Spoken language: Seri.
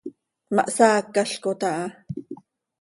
Ma hsaacalcot aha.